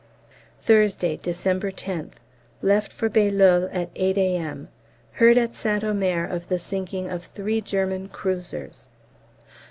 Thursday, December 10th. Left for Bailleul at 8 A.M. Heard at St Omer of the sinking of the three German cruisers.